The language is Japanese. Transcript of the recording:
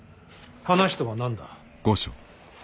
話とは何だ。